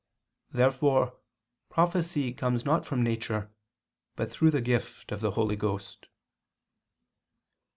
Therefore prophecy comes not from nature, but through the gift of the Holy Ghost.